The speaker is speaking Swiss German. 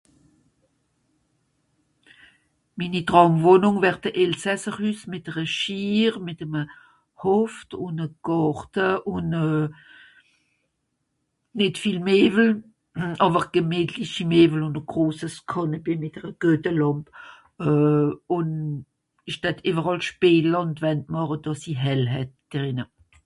minni traumwohnung werte elsasser hüss mìt'r a schiir mit'm a hof un a Gàrte un euh nìt viel meevel awer gemìtlichi meevel un a grosses cànepé mìt'r a guete làmp euh un esch d'hatt everàll spejel and wand màche dàss i hell het drìnne